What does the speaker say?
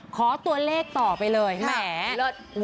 ขอตัวเลขต่อไปเลยแหม